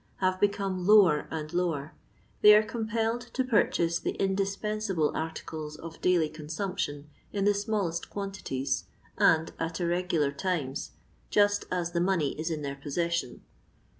have be come lower and lower, they are compelled to purchase the indispensable articles of daily con sumption in the smallest quantities, and at irregu lar times, just as the money is in their possession.